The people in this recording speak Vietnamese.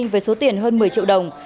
với số tiền hơn một mươi triệu đồng